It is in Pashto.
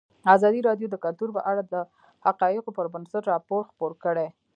ازادي راډیو د کلتور په اړه د حقایقو پر بنسټ راپور خپور کړی.